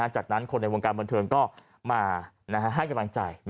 จากนั้นคนในวงการบันเทิงก็มาให้กำลังใจ